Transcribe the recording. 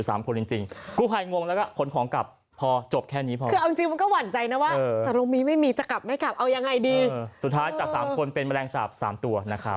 สุดท้ายครับคุณแฟนมีหรือเปล่า